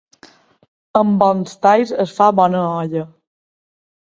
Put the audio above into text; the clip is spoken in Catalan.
Amb bons talls es fa bona olla.